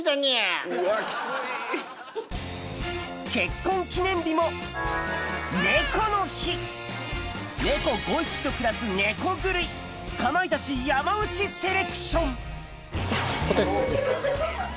結婚記念日も猫の日猫５匹と暮らす猫狂いかまいたち・山内セレクション